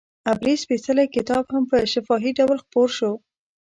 عبري سپېڅلی کتاب هم په شفاهي ډول خپور شو.